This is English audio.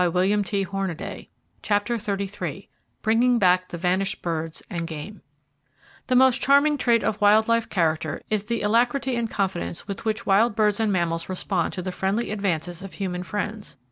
[Page 313] CHAPTER XXXIII BRINGING BACK THE VANISHED BIRDS AND GAME The most charming trait of wild life character is the alacrity and confidence with which wild birds and mammals respond to the friendly advances of human friends.